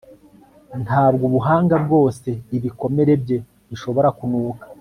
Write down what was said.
ntabwo ubuhanga bwose ibikomere bye bishobora kunuka